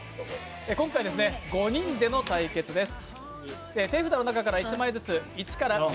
今回ですね、５人での対決です。